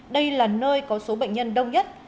đây là nơi có số bệnh nhân đông nhất